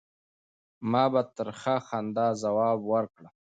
ما په ترخه خندا ځواب ورکړ.